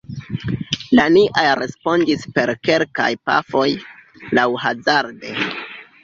La niaj respondis per kelkaj pafoj, laŭhazarde.